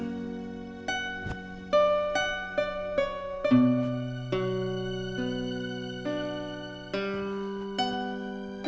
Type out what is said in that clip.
assalamualaikum warahmatullahi wabarakatuh